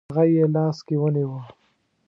هغه یې لاس کې ونیوه.